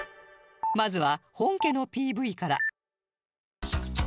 まずは本家の ＰＶ から